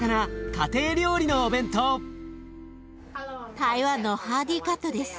台湾のハーディカットです。